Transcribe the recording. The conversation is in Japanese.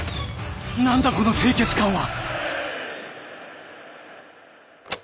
何だこの清潔感は！